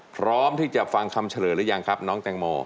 พร้อมที่จะฟังคำเฉลยหรือยังครับน้องแตงโม